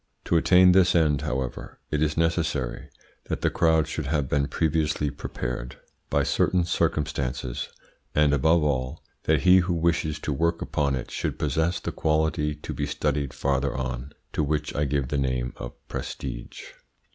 To attain this end, however, it is necessary that the crowd should have been previously prepared by certain circumstances, and, above all, that he who wishes to work upon it should possess the quality to be studied farther on, to which I give the name of prestige.